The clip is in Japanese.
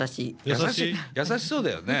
優しそうだよね？